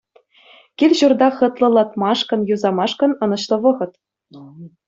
Кил-ҫурта хӑтлӑлатмашкӑн, юсамашкӑн ӑнӑҫлӑ вӑхӑт.